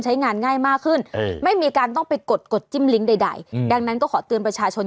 ใช้งานง่ายมากขึ้นไม่มีการต้องไปกดกดจิ้มลิงก์ใดดังนั้นก็ขอเตือนประชาชน